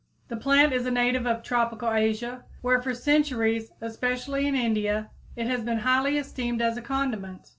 The plant is a native of tropical Asia, where for centuries, especially in India, it has been highly esteemed as a condiment.